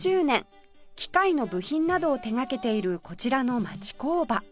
機械の部品などを手掛けているこちらの町工場